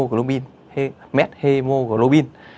rồi có chất gây methemoglobin